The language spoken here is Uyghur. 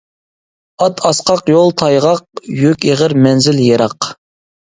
ئات ئاسقاق يول تايغاق، يۈك ئېغىر مەنزىل يىراق.